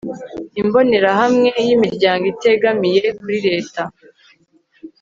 imbonerahamwe y'imiryango itegamiye kuri leta